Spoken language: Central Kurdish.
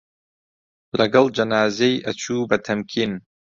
لەگەڵ جەنازەی ئەچوو بە تەمکین